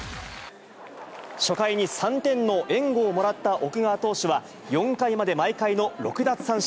初回に３点の援護をもらった奥川投手は、４回まで毎回の６奪三振。